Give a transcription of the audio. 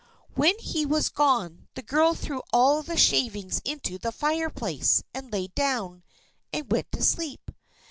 When he was gone the girl threw all the shavings into the fireplace, and lay down, and went to sleep.